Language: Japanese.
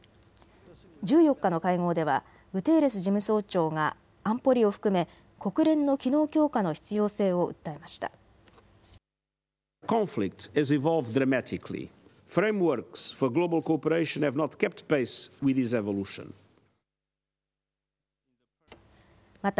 １４日の会合ではグテーレス事務総長が安保理を含め国連の機能強化の必要性を訴えました。